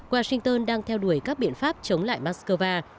washington đang theo đuổi các biện pháp chống lại mắc cơ va